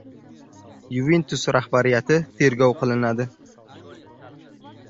Yuventus rahbariyati tergov qilinadi